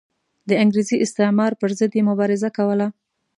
د انګریزي استعمار پر ضد یې مبارزه کوله.